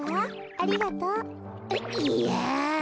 ありがとう。いや。